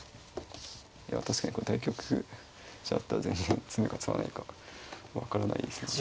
いや確かにこれ対局者だったら全然詰むか詰まないか分からないですよね。